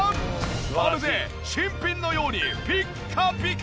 まるで新品のようにピッカピカ！